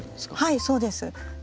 はいそうです。